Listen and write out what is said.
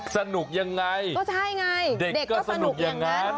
สนุกยังไงก็ใช่ไงเด็กก็สนุกอย่างนั้น